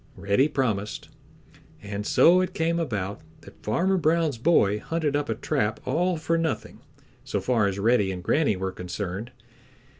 Reddy promised, and so it came about that Farmer Brown's boy hunted up a trap all for nothing so far as Reddy and Granny were concerned.